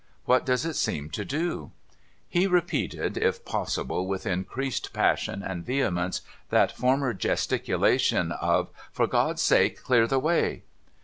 ' What does it seem to do ?' He repeated, if possible with increased passion and vehemence, that former gesticulation of, * For God's sake, clear the way